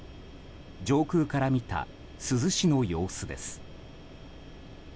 上空から見た珠洲市の様子です。